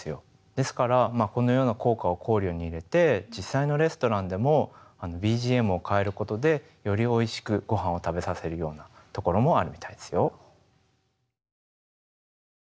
ですからこのような効果を考慮に入れて実際のレストランでもＢＧＭを変えることでよりおいしくごはんを食べさせるような所もあるみたいですよ。